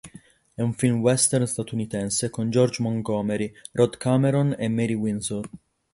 È un film western statunitense con George Montgomery, Rod Cameron e Marie Windsor.